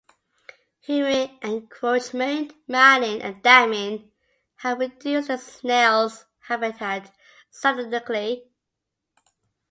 Human encroachment, mining, and damming, have reduced the snail's habitat significantly.